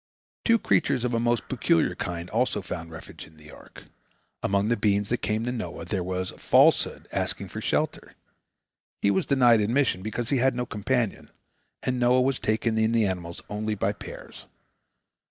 Two creatures of a most peculiar kind also found refuge in the ark. Among the beings that came to Noah there was Falsehood asking for shelter. He was denied admission, because he had no companion, and Noah was taking in the animals only by pairs.